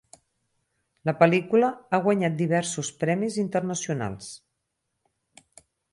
La pel·lícula ha guanyat diversos premis internacionals.